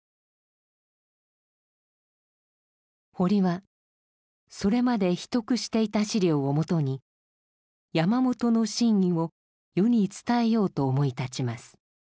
堀はそれまで秘匿していた資料を基に山本の真意を世に伝えようと思い立ちます。